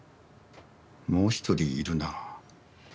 もう一人いるなあ。